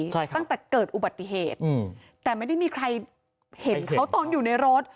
ใช่ครับตั้งแต่เกิดอุบัติเหตุอืมแต่ไม่ได้มีใครเห็นเขาตอนอยู่ในรถ